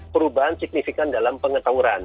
perubahan signifikan dalam pengetahuan